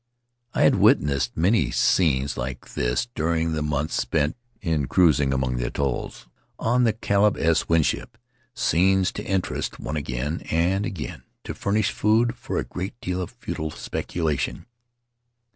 I had witnessed many scenes like this during the months spent in cruising among the atolls on the Caleb S. Winship — scenes to interest one again and again and to furnish food for a great deal of futile speculation.